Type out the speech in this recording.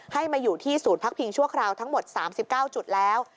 มาอยู่ที่ศูนย์พักพิงชั่วคราวทั้งหมด๓๙จุดแล้ว